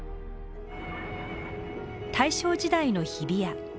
大正時代の日比谷。